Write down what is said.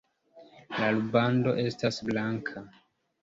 La rubando estas blanka.